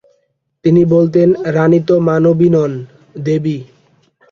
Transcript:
তিনি বলতেন, রাণী তো মানবী নন, দেবী।